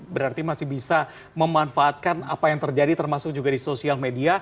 berarti masih bisa memanfaatkan apa yang terjadi termasuk juga di sosial media